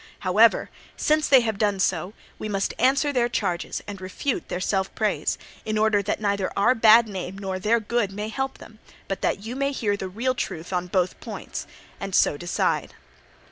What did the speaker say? However, since they have done so, we must answer their charges and refute their self praise, in order that neither our bad name nor their good may help them, but that you may hear the real truth on both points, and so decide.